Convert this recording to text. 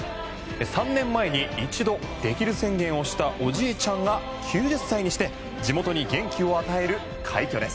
３年前に一度、できる宣言をしたおじいちゃんが９０歳にして地元に元気を与える快挙です。